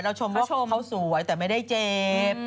ชมว่าเขาสวยแต่ไม่ได้เจ็บ